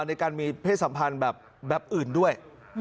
ในการมีเพศสัมพันธ์แบบอื่นด้วย